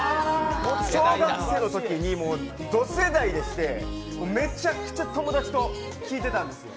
小学生のときにど世代でして、めちゃくちゃ友達と聴いてたんです。